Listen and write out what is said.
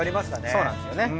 そうなんですよね。